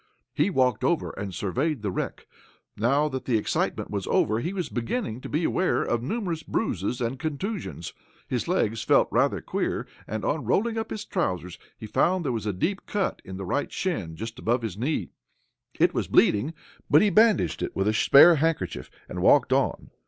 He walked over and surveyed the wreck. Now that the excitement was over he was beginning to be aware of numerous bruises and contusions, His legs felt rather queer, and on rolling up his trousers he found there was a deep cut in the right shin, just below his knee. It was bleeding, but he bandaged it with a spare handkerchief, and walked on.